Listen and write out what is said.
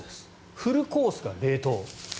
フルコースが冷凍。